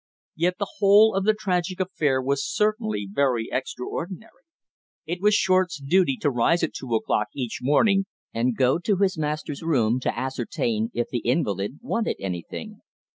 Yet the whole of the tragic affair was certainly very extraordinary. It was Short's duty to rise at two o'clock each morning and go to his master's room to ascertain if the invalid wanted anything.